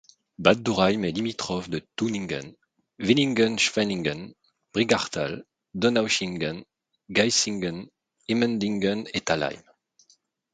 Bad Dürrheim est limitrophe de Tuningen, Villingen-Schwenningen, Brigachtal, Donaueschingen, Geisingen, Immendingen et Talheim.